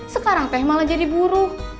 sekarang teh malah jadi buruh